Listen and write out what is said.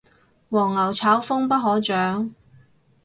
黃牛炒風不可長